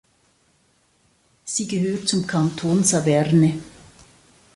Sie gehört zum Kanton Saverne.